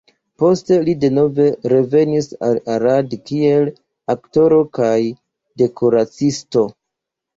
Poste li denove revenis al Arad kiel aktoro kaj dekoraciisto.